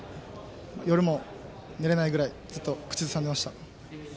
夜も寝れないぐらいずっと口ずさんでいました。